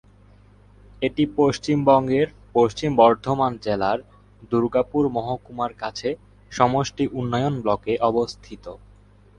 এটি পশ্চিমবঙ্গের পশ্চিম বর্ধমান জেলার দুর্গাপুর মহকুমার কাছে সমষ্টি উন্নয়ন ব্লকে অবস্থিত।